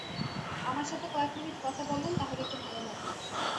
আমার সাথে কয়েক মিনিট কথা বলেন, তাহলে একটু ভালো লাগবে।